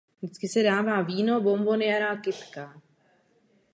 V ní podrobně představil kosmickou stanici a navrhl její umístění na geostacionární dráze.